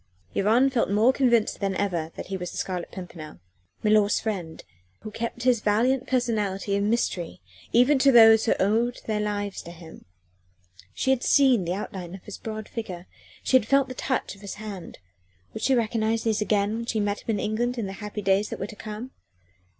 Yvonne felt more convinced than ever that he was the Scarlet Pimpernel milor's friend who kept his valiant personality a mystery, even to those who owed their lives to him. She had seen the outline of his broad figure, she had felt the touch of his hand. Would she recognise these again when she met him in England in the happy days that were to come?